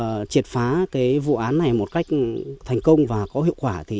để thực hiện đấu tranh triệt phá vụ án này một cách thành công và có hiệu quả